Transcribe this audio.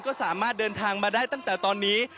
ก็สามารถเดินทางมาได้ตั้งแต่ตอนนี้